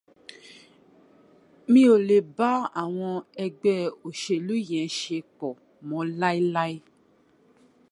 Mi ò lè bá àwọn ẹgbẹ́ òṣèlú yẹn ṣe pọ mọ́ láíláí